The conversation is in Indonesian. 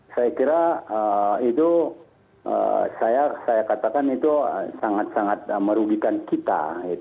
saya kira itu saya katakan itu sangat sangat merugikan kita